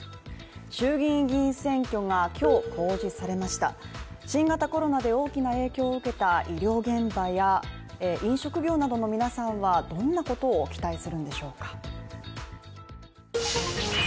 衆議院議員選挙が今日公示されました新型コロナで大きな影響を受けた医療現場や飲食業などの皆さんはどんなことを期待するんでしょうか？